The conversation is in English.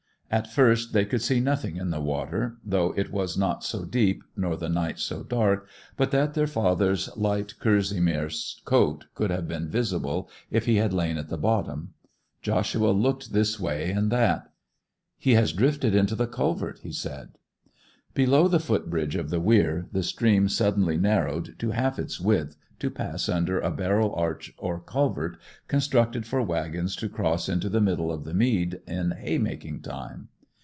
At first they could see nothing in the water, though it was not so deep nor the night so dark but that their father's light kerseymere coat would have been visible if he had lain at the bottom. Joshua looked this way and that. 'He has drifted into the culvert,' he said. Below the foot bridge of the weir the stream suddenly narrowed to half its width, to pass under a barrel arch or culvert constructed for waggons to cross into the middle of the mead in haymaking time.